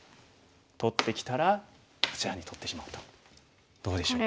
取ってきたらこちらに取ってしまうとどうでしょう？